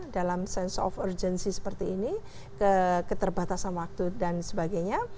dalam sense of urgency seperti ini keterbatasan waktu dan sebagainya